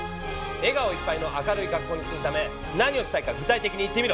笑顔いっぱいの明るい学校にするため何をしたいか具体的に言ってみろ！